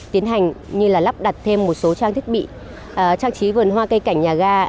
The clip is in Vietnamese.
tiến hành như là lắp đặt thêm một số trang thiết bị trang trí vườn hoa cây cảnh nhà ga